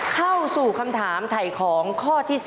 เข้าสู่คำถามถ่ายของข้อที่๒นะครับ